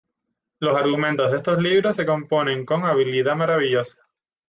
Los argumentos de estos libros se componen con habilidad maravillosa.